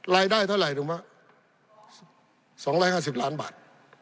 รายได้เท่าไหร่รู้ไหม๒๕๐ล้านบาท